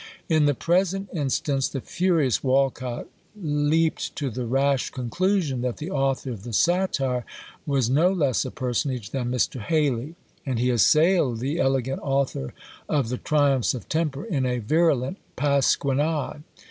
In the present instance, the furious Wolcot leapt to the rash conclusion, that the author of the satire was no less a personage than Mr. Hayley, and he assailed the elegant author of the "Triumphs of Temper" in a virulent pasquinade.